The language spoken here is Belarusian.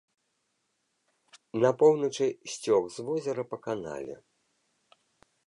На поўначы сцёк з возера па канале.